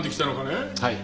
はい。